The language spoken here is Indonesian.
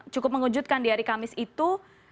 cukup mengejutkan di hari kamis itu